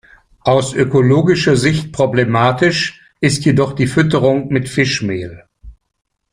Aus ökologischer Sicht problematisch ist jedoch die Fütterung mit Fischmehl.